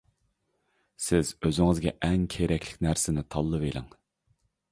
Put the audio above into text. سىز ئۆزىڭىزگە ئەڭ كېرەكلىك نەرسىنى تاللىۋېلىڭ.